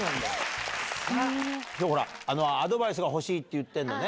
ほらアドバイスが欲しいって言ってるのね